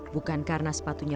bukan karena sepatu berat